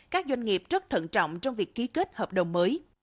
các doanh nghiệp rất thận trọng trong việc ký kết hợp đồng mới